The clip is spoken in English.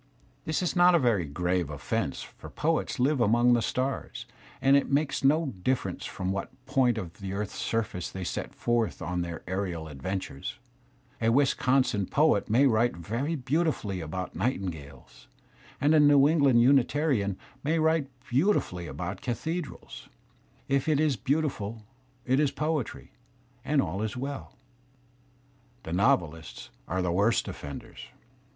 This is not a very grave offence, for poets live among the stars, and it makes no difference from what point Digitized by Google GENERAL CHARACTERISTICS 9 of the earth*s surface they set forth on their aerial adventures. A Wisconsin poet may write very beautifully about nightin gales, and a New England Unitarian may write beautifully about cathedrals; if it is beautiful, it is poetry, and all is well. Tte novej^^ are. the worst offenders.